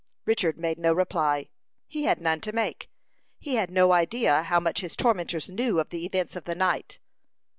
Richard made no reply; he had none to make. He had no idea how much his tormentors knew of the events of the night.